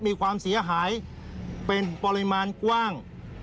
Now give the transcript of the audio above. มีความเสียหายเป็นปริมาณกว้าง